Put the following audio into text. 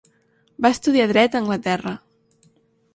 Va estudiar dret a Anglaterra.